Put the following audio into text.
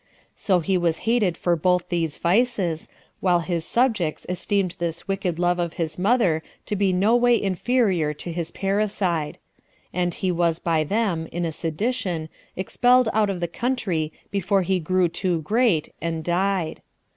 So he was hated for both these vices, while his subjects esteemed this [wicked] love of his mother to be no way inferior to his parricide; and he was by them, in a sedition, expelled out of the country before he grew too great, and died.